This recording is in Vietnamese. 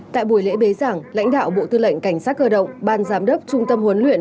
tại buổi lễ bế giảng lãnh đạo bộ tư lệnh cảnh sát cơ động ban giám đốc trung tâm huấn luyện